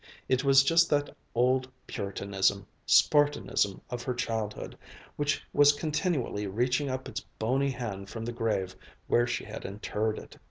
It was just that old Puritanism, Spartanism of her childhood, which was continually reaching up its bony hand from the grave where she had interred it.